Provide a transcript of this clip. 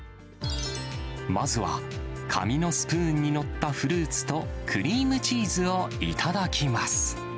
まずは紙のスプーンに載ったフルーツとクリームチーズを頂き